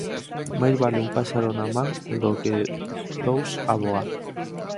Máis vale un paxaro na man do que dous a voar.